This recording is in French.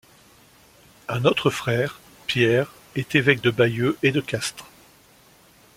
Un autre frère, Pierre, est évêque de Bayeux et de Castres.